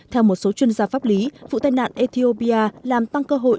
theo một số chuyên gia pháp lý vụ tai nạn ethiopia làm tăng cơ hội